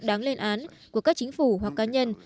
đáng lên án của các chính phủ hoặc cá nhân